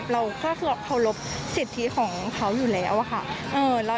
เราก็คือเคารพสิทธิของเขาอยู่แล้วค่ะ